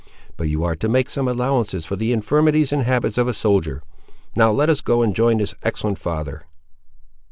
But you are to make some allowances for the infirmities and habits of a soldier. Now let us go and join this excellent father."